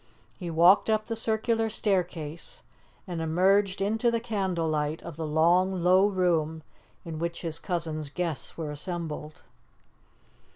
He walked up the circular staircase, and emerged into the candle light of the long, low room in which his cousin's guests were assembled.